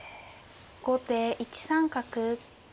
後手１三角。